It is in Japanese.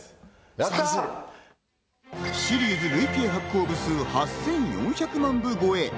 シリーズ累計発行部数８４００万部を超え。